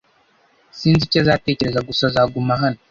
Sinzi icyo azatekereza gusa azaguma hano .